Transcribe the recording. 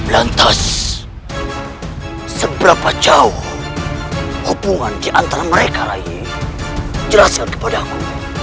lantas seberapa jauh hubungan di antara mereka rai jelaskan kepada aku